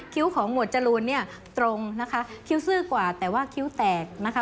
ของหมวดจรูนเนี่ยตรงนะคะคิ้วซื่อกว่าแต่ว่าคิ้วแตกนะคะ